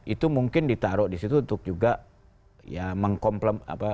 itu mungkin ditaruh disitu untuk juga